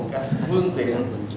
các phương tiện